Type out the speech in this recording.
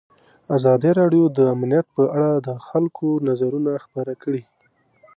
ازادي راډیو د امنیت په اړه د خلکو نظرونه خپاره کړي.